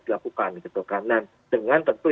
dilakukan gitu kan nah dengan tentu